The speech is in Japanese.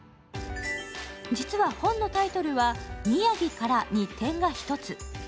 実は本のタイトルは「みやぎから」に「、」が１つ。